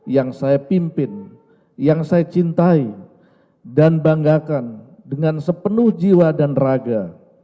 yang saya pimpin yang saya cintai dan banggakan dengan sepenuh jiwa dan raga